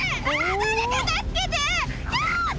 誰か助けて！